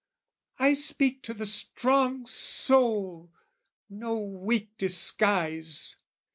"I speak to the strong soul, no weak disguise.